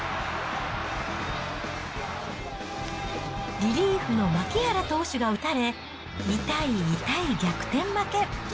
リリーフの槙原投手が打たれ、痛い痛い逆転負け。